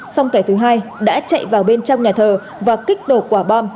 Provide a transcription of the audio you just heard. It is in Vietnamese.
song kẻ thứ hai đã chạy vào bên trong nhà thờ và kích đổ quả bom